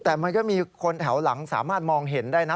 แต่มันก็มีคนแถวหลังสามารถมองเห็นได้นะ